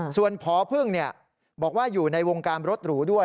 ส่วนพอพึ่งบอกว่าอยู่ในวงการรถหรูด้วย